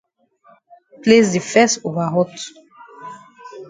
Place di fes over hot.